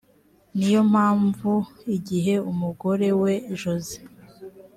ni yo mpamvu igihe umugore we jose